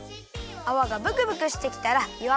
あわがブクブクしてきたらよ